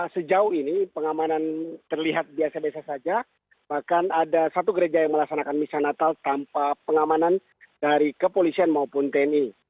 sejauh ini pengamanan terlihat biasa biasa saja bahkan ada satu gereja yang melaksanakan misa natal tanpa pengamanan dari kepolisian maupun tni